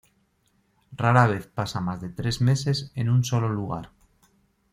Rara vez pasa más de tres meses en un solo lugar.